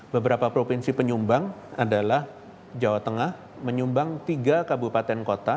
beberapa provinsi penyumbang adalah jawa tengah menyumbang tiga kabupaten kota